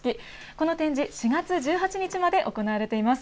この展示、４月１８日まで行われています。